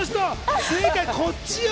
正解はこっちよ！